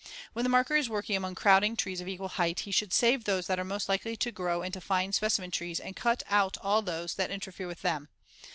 When the marker is working among crowding trees of equal height, he should save those that are most likely to grow into fine specimen trees and cut out all those that interfere with them.